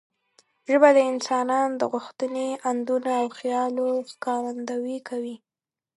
ژبه د انسان د غوښتنې، اندونه او خیالونو ښکارندويي کوي.